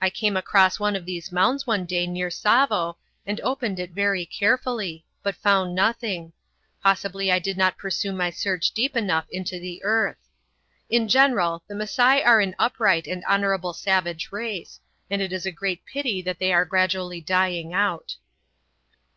I came across one of these mounds one day near Tsavo and opened it very carefully, but found nothing: possibly I did not pursue my search deep enough into the earth. In general, the Masai are an upright and honourable savage race, and it is a great pity that they are gradually dying out.